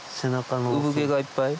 産毛がいっぱい？